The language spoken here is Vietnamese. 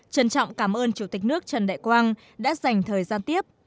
trân trọng cảm ơn chủ tịch nước trần đại quang đã dành thời gian tiếp